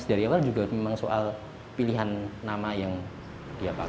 dari awal juga memang soal pilihan nama yang dia pakai